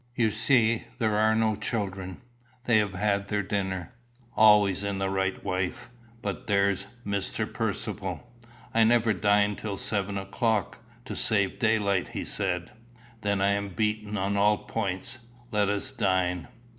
"You see there are no children; they have had their dinner." "Always in the right, wife; but there's Mr. Percivale." "I never dine till seven o'clock, to save daylight," he said. "Then I am beaten on all points. Let us dine."